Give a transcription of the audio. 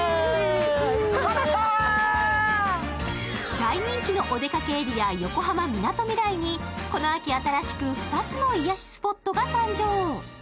大人気のお出かけエリア、横浜みなとみらいにこの秋、新しく２つの癒やしスポットが誕生。